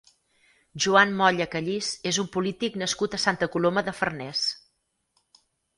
Joan Molla Callís és un polític nascut a Santa Coloma de Farners.